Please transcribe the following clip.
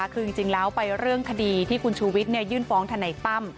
คือจริงจริงแล้วไปเรื่องคดีที่คุณชูวิทย์เนี่ยยื่นฟ้องทันในปั้ม